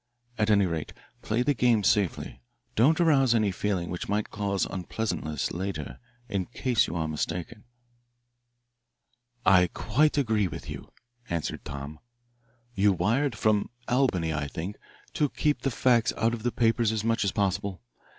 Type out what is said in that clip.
At any rate, play the game safely don't arouse any feeling which might cause unpleasantness later in case you are mistaken." "I quite agree with you," answered Tom. "You wired, from Albany, I think, to keep the facts out of the papers as much as possible.